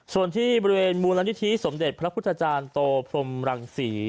ส่วนที่บริเวณมูลนิธิสมเด็จพระพุทธจารย์โตพรมรังศรี